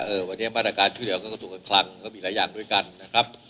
เออวันนี้มาตรการชื่อเหลือก็สูงกันคลั่งก็มีหลายอย่างด้วยกันนะครับ